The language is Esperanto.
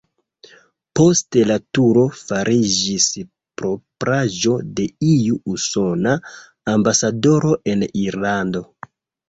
Poste la turo fariĝis propraĵo de iu usona ambasadoro en Irlando.